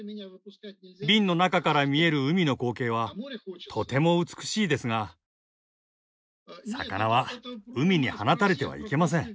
瓶の中から見える海の光景はとても美しいですが魚は海に放たれてはいけません。